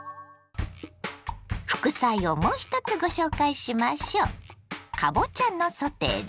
副菜をもう１つご紹介しましょう。